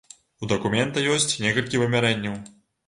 У дакумента ёсць некалькі вымярэнняў.